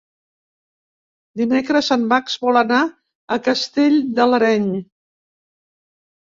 Dimecres en Max vol anar a Castell de l'Areny.